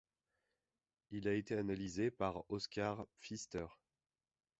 Il a été analysé par Oskar Pfister.